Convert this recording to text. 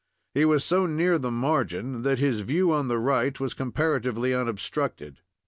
He was so near the margin that his view on the right was comparatively unobstructed.